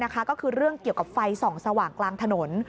ก็คือเรื่องเกี่ยวกับไฟส่องสว่างกลางถนน